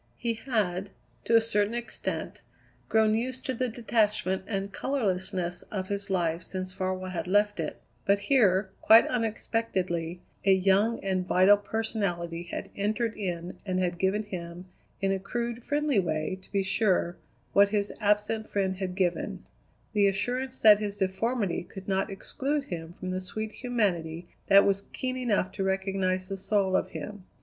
He had, to a certain extent, grown used to the detachment and colourlessness of his life since Farwell had left it; but here, quite unexpectedly, a young and vital personality had entered in and had given him, in a crude, friendly way, to be sure, what his absent friend had given the assurance that his deformity could not exclude him from the sweet humanity that was keen enough to recognize the soul of him.